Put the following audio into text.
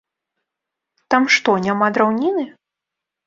Там што, няма драўніны?